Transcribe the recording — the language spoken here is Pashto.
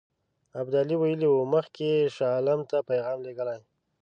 ابدالي ویلي وو مخکې یې شاه عالم ته پیغام لېږلی.